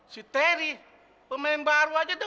kamu harus jelasin semuanya sama aku dulu